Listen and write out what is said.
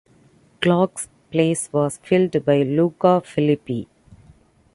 Glock's place was filled by Luca Filippi.